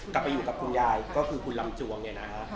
กลับไปอยู่กับคุณยายก็คือคุณลำจวงเนี่ยนะฮะ